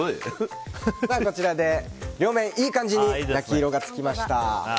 こちらで両面いい感じに焼き色がつきました。